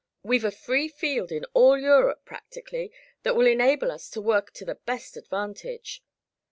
We've a free field in all Europe, practically, that will enable us to work to the best advantage."